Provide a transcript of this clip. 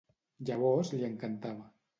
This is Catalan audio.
Llavors li encantava.